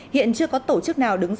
hiện chưa có tổ chức nào đứng bằng